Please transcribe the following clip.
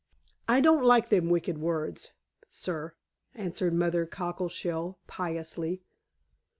"I don't like them wicked words, sir," answered Mother Cockleshell piously.